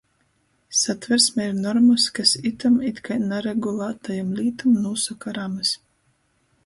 Satversmē ir normys, kas itom it kai naregulātajom lītom nūsoka ramys.